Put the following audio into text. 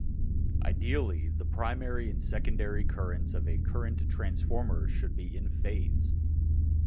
Ideally, the primary and secondary currents of a current transformer should be in phase.